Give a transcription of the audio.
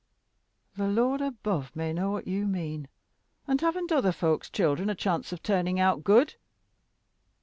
"The Lord above may know what you mean! And haven't other folks's children a chance of turning out good?"